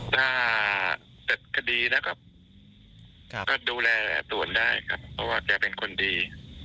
ถ้าเกดีแล้วก็ดูแลตัวได้เพราะเก้าเป็นคนดี